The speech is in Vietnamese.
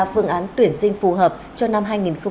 phương án tuyển sinh phù hợp cho năm hai nghìn hai mươi